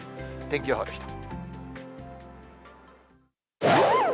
天気予報でした。